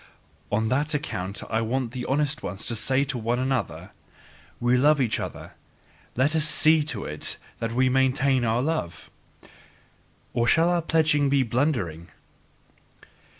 On that account want I the honest ones to say to one another: "We love each other: let us SEE TO IT that we maintain our love! Or shall our pledging be blundering?"